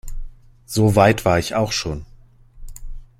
So weit war ich auch schon.